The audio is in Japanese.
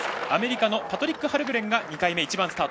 アメリカのパトリック・ハルグレン。